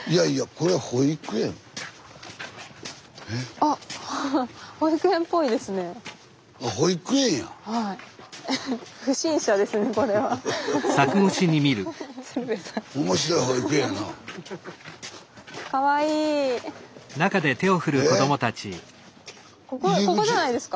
ここじゃないですか？